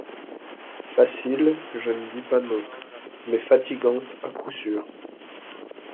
Facile, je ne dis pas non, mais fatigante à coup sûr.